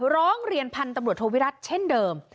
ร้องเรียนพันธุ์ตำรวจโทวิรัติเช่นเดิม